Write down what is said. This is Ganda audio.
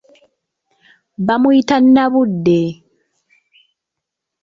Bamuyita Nnabudde.